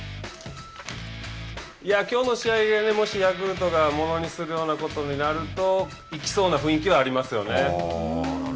きょうの試合がもしヤクルトがものにするようなことがあると行きそうな雰囲気はありますよね。